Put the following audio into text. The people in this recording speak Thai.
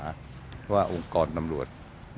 เพราะว่าองค์กรตำรวจ